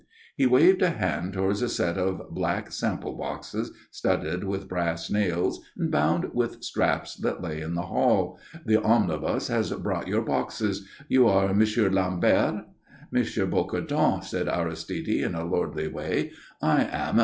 He waved a hand towards a set of black sample boxes studded with brass nails and bound with straps that lay in the hall. "The omnibus has brought your boxes. You are M. Lambert?" "M. Bocardon," said Aristide, in a lordly way, "I am M.